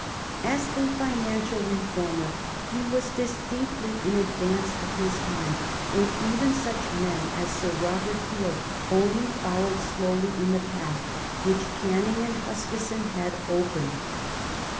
As a financial reformer he was distinctly in advance of his time, and even such men as Sir Robert Peel only followed slowly in the path which Canning and Huskisson had opened.